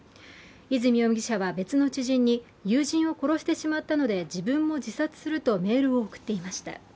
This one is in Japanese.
泉容疑者は別の知人に友人を殺してしまったので自分も自殺するとメールを送っていました。